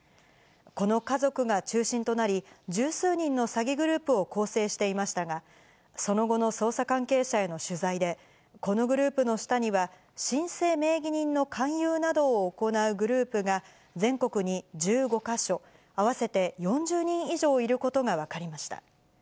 この家族が中心となり、十数人の詐欺グループを構成していましたが、その後の捜査関係者への取材で、このグループの下には、申請名義人の勧誘などを行うグループが、全国に１５か所、合わせて４０人以上いることが分かりました。